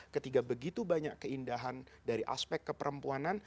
ketika begitu banyak keindahan dari aspek keperempuanan